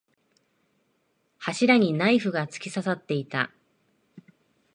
柱にナイフが突き刺さっていた。